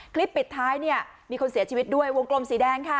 ปิดท้ายเนี่ยมีคนเสียชีวิตด้วยวงกลมสีแดงค่ะ